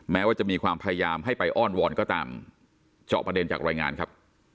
แม้ว่าจะมีความพยายามให้ไปอ้อนวอนก็ตามเจาะประเด็นจากรายงานครับ